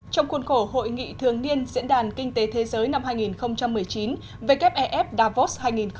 trong khuôn khổ hội nghị thường niên diễn đàn kinh tế thế giới năm hai nghìn một mươi chín wfef davos hai nghìn một mươi chín